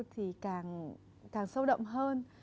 thì càng sâu đậm hơn